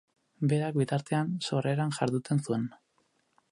Berak, bitartean, sorreran jarduten zuen.